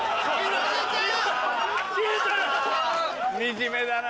・惨めだな。